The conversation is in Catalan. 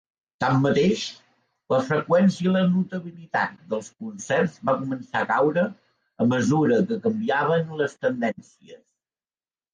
Tanmateix, la freqüència i la notabilitat dels concerts va començar a caure a mesura que canviaven les tendències.